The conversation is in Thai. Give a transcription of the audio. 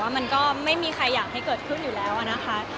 มันก็ไม่มีใครอยากให้เกิดขึ้นอยู่แล้วนะคะ